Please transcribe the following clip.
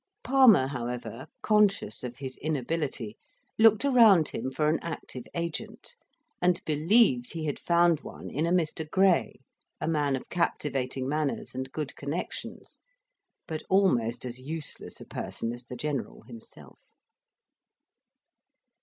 Palmer, however, conscious of his inability, looked around him for an active agent, and believed he had found one in a Mr. Gray, a man of captivating manners and good connexions, but almost as useless a person as the General himself.